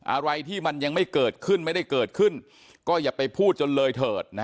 อะไรที่มันยังไม่เกิดขึ้นไม่ได้เกิดขึ้นก็อย่าไปพูดจนเลยเถิด